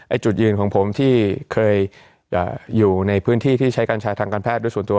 จุดยืนของผมที่เคยอยู่ในพื้นที่ที่ใช้กัญชาทางการแพทย์ด้วยส่วนตัว